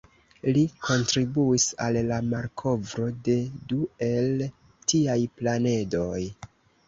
Li kontribuis al la malkovro de du el tiaj planedoj.